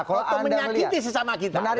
untuk menyakiti sesama kita